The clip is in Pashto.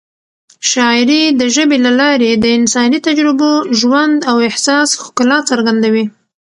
شاعري د ژبې له لارې د انساني تجربو، ژوند او احساس ښکلا څرګندوي.